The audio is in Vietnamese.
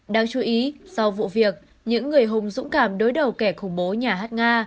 đáng chú ý sau vụ việc những người hùng dũng cảm đối đầu kẻ khủng bố nhà hát nga